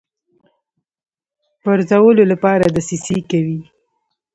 پرزولو لپاره دسیسې کوي.